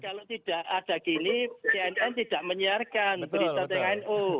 tapi kalau tidak ada gini tnn tidak menyiarkan berita tnu